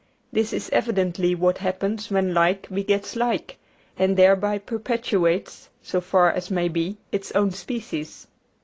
This is evidently what happens when like begets like, and thereby perpetuates, so far as may be, its own species....